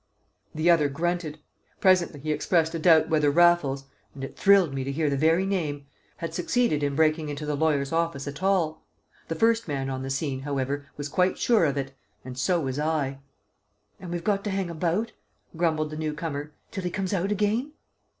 The other grunted; presently he expressed a doubt whether Raffles (and it thrilled me to hear the very name) had succeeded in breaking into the lawyer's office at all. The first man on the scene, however, was quite sure of it and so was I. "And we've got to hang about," grumbled the newcomer, "till he comes out again?"